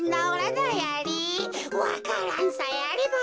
わか蘭さえあれば。